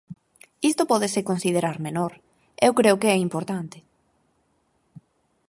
Isto pódese considerar menor; eu creo que é importante.